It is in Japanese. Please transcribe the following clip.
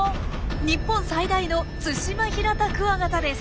日本最大のツシマヒラタクワガタです。